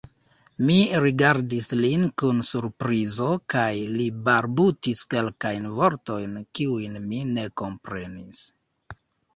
Mi rigardis lin kun surprizo kaj li balbutis kelkajn vortojn, kiujn mi ne komprenis.